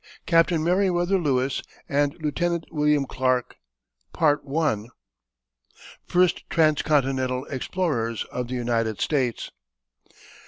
V. CAPTAIN MERIWETHER LEWIS AND LIEUT. WILLIAM CLARK. FIRST TRANS CONTINENTAL EXPLORERS OF THE UNITED STATES.